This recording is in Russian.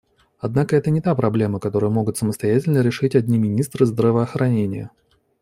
Однако это не та проблема, которую могут самостоятельно решить одни министры здравоохранения.